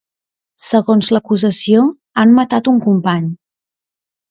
Segons l'acusació han matat un company.